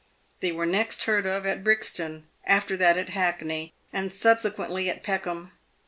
They were next heard of at Brixton, after that at Hackney, and subsequently at Peckham.